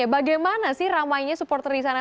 bagaimana ramai ramai di sana